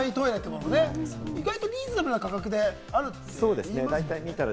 意外とリーズナブルな価格でありますよね。